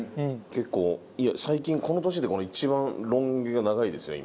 結構いや最近この年で一番ロン毛が長いですね